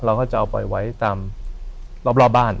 เราก็จะเอาไว้ตามรอบบ้าน